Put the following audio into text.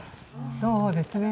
そうですね。